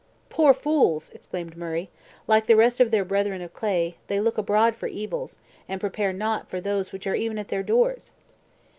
"Poor fools!" exclaimed Murray; "like the rest of their brethren of clay, they look abroad for evils, and prepare not for those which are even at their doors!"